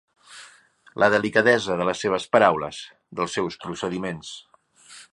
La delicadesa de les seves paraules, dels seus procediments.